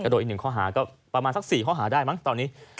โดนอีก๑ข้อหาก็ประมาณสัก๔ข้อหาได้มั้งตอนนี้